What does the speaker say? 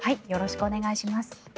よろしくお願いします。